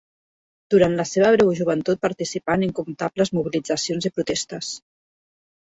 Durant la seva breu joventut participà en incomptables mobilitzacions i protestes.